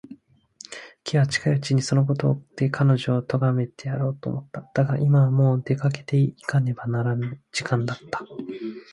Ｋ は近いうちにそのことで彼女をとがめてやろうと思った。だが、今はもう出かけていかねばならぬ時間だった。